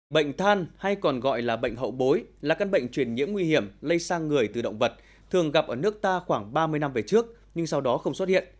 bệnh than hay còn gọi là bệnh hậu bối là căn bệnh truyền nhiễm nguy hiểm lây sang người từ động vật thường gặp ở nước ta khoảng ba mươi năm về trước nhưng sau đó không xuất hiện